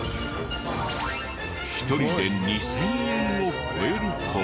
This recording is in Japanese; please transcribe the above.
１人で２０００円を超える子も。